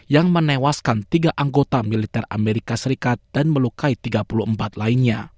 yang menewaskan tiga anggota militer amerika serikat dan melukai tiga puluh empat lainnya